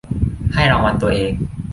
ให้รางวัลตัวเอง